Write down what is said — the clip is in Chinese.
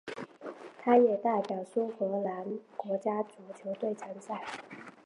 他也代表苏格兰国家足球队参赛。